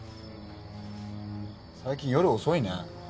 最近夜遅いね。